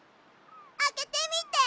あけてみて！